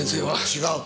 違う。